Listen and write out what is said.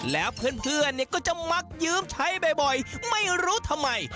แล้วเพื่อนเนี่ยก็จะมักยืมใช้บ่อยไม่รู้ทำไม